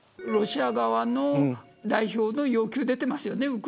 ロシア側の代表の要求、出てますよね。